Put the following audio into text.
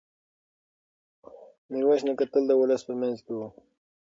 میرویس نیکه تل د ولس په منځ کې و.